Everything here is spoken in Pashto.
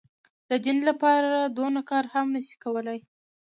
د دين لپاره دونه کار هم نه سي کولاى.